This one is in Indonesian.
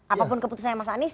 apapun keputusan mas anies